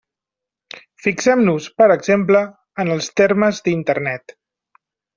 Fixem-nos, per exemple, en els termes d'Internet.